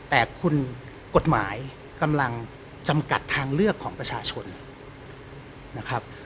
แต่คุณกฎหมายกำลังจำกัดทางเลือกของประชาชนนะครับ